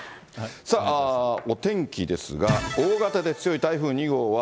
さあ、お天気ですが、大型で強い台風２号は、